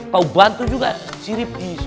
kau bantu juga sirip is